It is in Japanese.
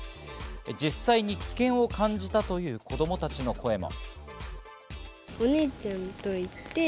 実際に危険を感じたという子供たちの声も。